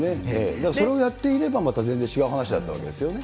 だからそれをやっていれば、また全然違う話だったわけですよね。